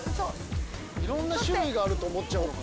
いろんな種類があると思っちゃうのかな。